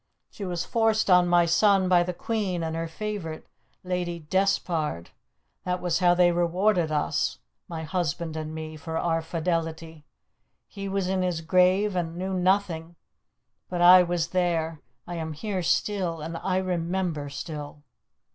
She was forced on my son by the Queen and her favourite, Lady Despard. That was how they rewarded us, my husband and me, for our fidelity! He was in his grave, and knew nothing, but I was there. I am here still, and I remember still!"